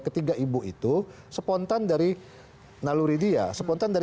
kegiatan bianya yang terjadi pada